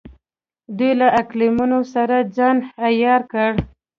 دوی له اقلیمونو سره ځان عیار کړ.